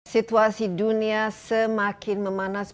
situasi dunia semakin memanas